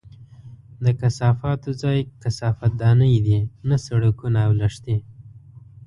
د کثافاتو ځای کثافت دانۍ دي، نه سړکونه او لښتي!